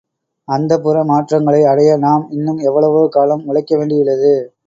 அந்தப் புற மாற்றங்களை அடைய நாம் இன்னும் எவ்வளவோ காலம் உழைக்கவேண்டியுள்ளது.